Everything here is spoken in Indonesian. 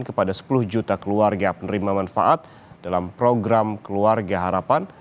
kepada sepuluh juta keluarga penerima manfaat dalam program keluarga harapan